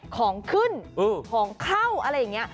ของขึ้นของเข้าอะไรอย่างนี้